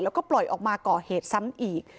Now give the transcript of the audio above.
แล้วก็ปล่อยออกมาก่อเหตุซ้ำอีก